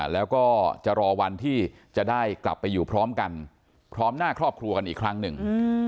แล้วก็จะรอวันที่จะได้กลับไปอยู่พร้อมกันพร้อมหน้าครอบครัวกันอีกครั้งหนึ่ง